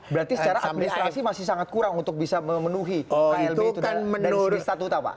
berarti secara administrasi masih sangat kurang untuk bisa memenuhi klb itu statuta pak